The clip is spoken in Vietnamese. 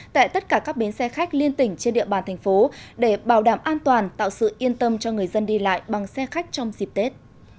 tại tất cả các bến xe khách liên tỉnh trên địa bàn thành phố để bảo đảm an toàn tạo sự yên tâm cho người dân đi lại bằng xe khách trong dịp tết